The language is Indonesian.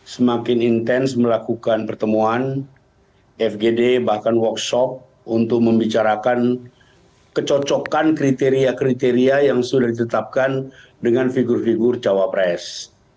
semakin intens melakukan pertemuan fgd bahkan workshop untuk membicarakan kecocokan kriteria kriteria yang sudah ditetapkan dengan figur figur cawapres